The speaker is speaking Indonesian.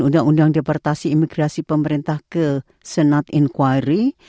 undang undang deportasi imigrasi pemerintah ke senat incquiry